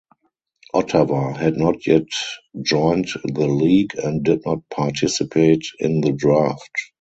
Ottawa had not yet joined the league and did not participate in the draft.